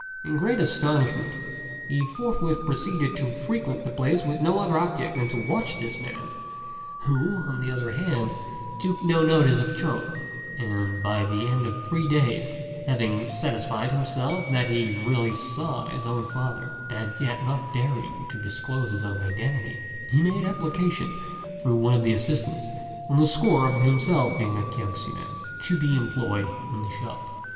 In great astonishment, he forthwith proceeded to frequent the place with no other object than to watch this man, who, on the other hand, took no notice of Chung; and by the end of three days, having satisfied himself that he really saw his own father, and yet not daring to disclose his own identity, he made application through one of the assistants, on the score of being himself a Kiangsi man, to be employed in the shop.